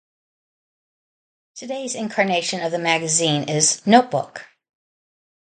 Today's incarnation of the magazine is "Notebook".